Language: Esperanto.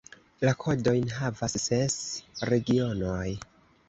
La kodojn havas ses regionoj.